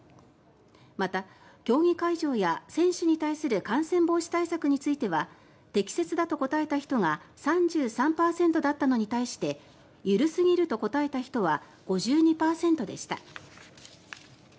また、競技会場や選手に対する感染防止対策については適切だと答えた人が３３％だったのに対して緩すぎると答えた人は５２％でした。